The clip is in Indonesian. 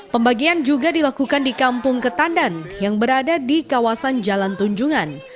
pembagian juga dilakukan di kampung ketandan yang berada di kawasan jalan tunjungan